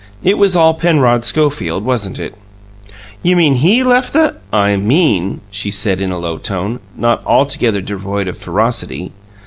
It was all Penrod Schofield, wasn't it?" "You mean he left the " "I mean," she said, in a low tone, not altogether devoid of ferocity.